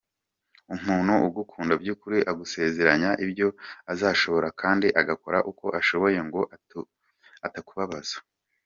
Umuntu ugukunda by’ukuri agusezeranya ibyo azashobora kandi agakora uko ashoboye ngo atakubabaza.